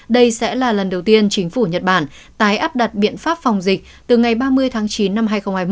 đây sẽ là lần đầu tiên chính phủ nhật bản tái áp đặt biện pháp phòng dịch từ ngày ba mươi tháng chín năm hai nghìn hai mươi